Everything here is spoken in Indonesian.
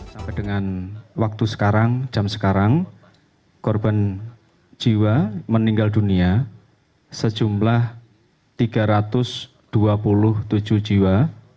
sampai dengan waktu sekarang jam sekarang korban jiwa meninggal dunia sejumlah tiga ratus dua puluh tujuh jiwa